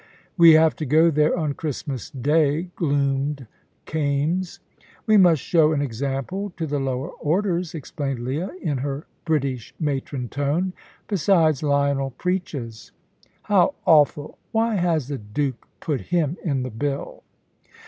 "We have to go there on Christmas Day," gloomed Kaimes. "We must show an example to the lower orders," explained Leah, in her British matron tone. "Besides, Lionel preaches." "How awful! Why has the Duke put him in the bill?"